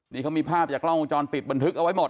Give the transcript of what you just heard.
นี่เขามีภาพจากกล้องวงจรปิดบันทึกเอาไว้หมด